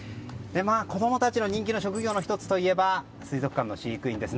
子供たちの人気の職業の１つといえば水族館の飼育員です。